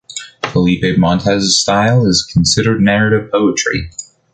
Felipe Montes’ style is considered narrative poetry.